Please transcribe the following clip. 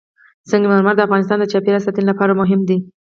سنگ مرمر د افغانستان د چاپیریال ساتنې لپاره مهم دي.